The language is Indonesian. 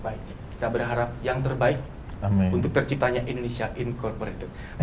baik kita berharap yang terbaik untuk terciptanya indonesia incorporated